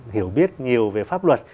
hiểu biết nhiều về pháp luật